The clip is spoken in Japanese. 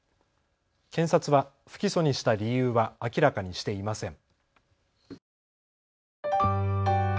検察は不起訴にした理由は明らかにしていません。